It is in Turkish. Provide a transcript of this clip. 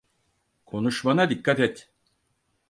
Konuşmana dikkat et.